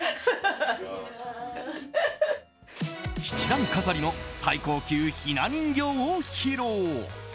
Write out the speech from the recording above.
７段飾りの最高級ひな人形を披露。